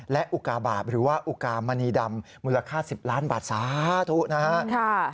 และอุกาบาทหรือว่าอุกามณีดำมูลค่า๑๐ล้านบาทสาธุนะครับ